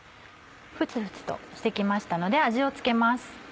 ふつふつとして来ましたので味を付けます。